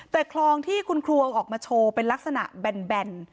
แต่คลองที่คุณครัวออกมาโชว์เป็นลักษณะแบน